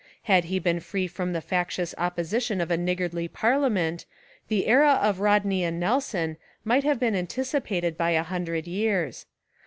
Had he been free from the factious opposition of a niggardly parliament, the era of Rodney and Nelson might have been anticipated by a hun dred years.